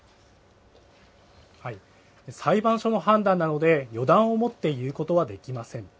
裁判所の判断なので予断を持って言うことはできません。